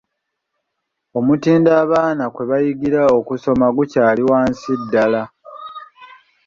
Omutindo abaana kwe bayigira okusoma gukyali wansi ddala.